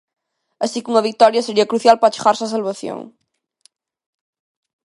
Así que unha vitoria sería crucial para achegarse á salvación.